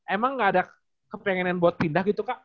emang gak ada kepinginan buat pindah gitu kak